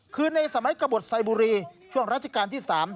คือในสมัยกระบดไซบุรีช่วงรัชกาลที่๓